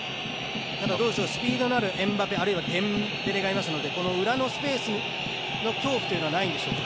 スピードのあるエムバペあるいはデンベレがいますので裏のスペースの恐怖というのはないんでしょうか？